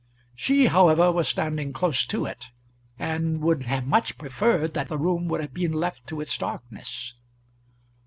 She, however, was standing close to it, and would have much preferred that the room should have been left to its darkness.